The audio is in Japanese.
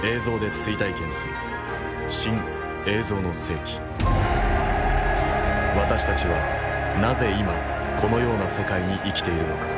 私たちはなぜ今このような世界に生きているのか。